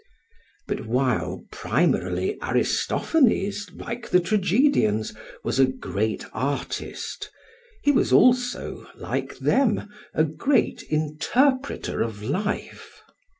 But while primarily Aristophanes, like the tragedians, was a great artist, he was also, like them, a great interpreter of life.